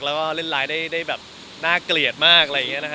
แล้วก็เล่นร้ายได้น่าเกลียดมาก